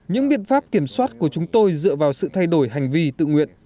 những biện pháp kiểm soát của chúng tôi dựa vào sự thay đổi hành vi tự nguyện